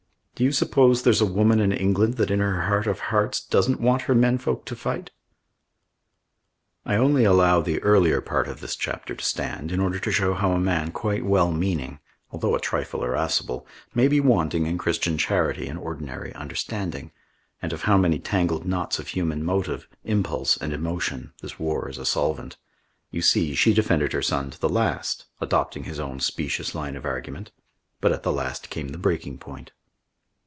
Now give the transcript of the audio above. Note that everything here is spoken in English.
"Do you suppose there's a woman in England that, in her heart of hearts, doesn't want her men folk to fight?" I only allow the earlier part of this chapter to stand in order to show how a man quite well meaning, although a trifle irascible, may be wanting in Christian charity and ordinary understanding; and of how many tangled knots of human motive, impulse, and emotion this war is a solvent. You see, she defended her son to the last, adopting his own specious line of argument; but at the last came the breaking point....